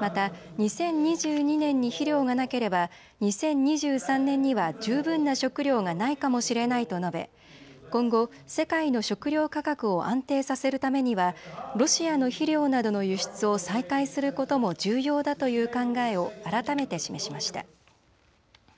また２０２２年に肥料がなければ２０２３年には十分な食料がないかもしれないと述べ今後、世界の食料価格を安定させるためにはロシアの肥料などの輸出を再開することも重要だという考えを改めて示しました。